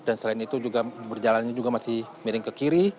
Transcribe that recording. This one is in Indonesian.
dan selain itu juga berjalannya juga masih miring ke kiri